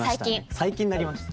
最近なりました。